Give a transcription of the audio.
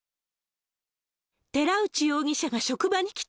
寺内容疑者が職場に来た。